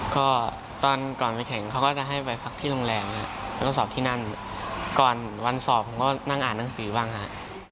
ก็ตอนก่อนไปแข่งเขาก็จะให้ไปพักที่โรงแรมฮะแล้วก็สอบที่นั่นก่อนวันสอบผมก็นั่งอ่านหนังสือบ้างฮะ